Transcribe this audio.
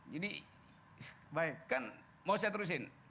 jadi kan mau saya terusin